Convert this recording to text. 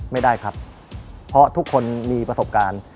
ไม่ได้ครับเพราะทุกคนมีประสบการณ์